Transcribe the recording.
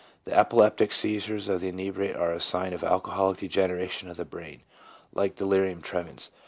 The epileptic seizures of the inebriate are a sign of alcoholic degeneration of the brain, like delirium tremens.